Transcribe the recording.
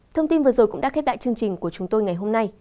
thông tin vừa rồi cũng đã khép lại chương trình của chúng tôi ngày hôm nay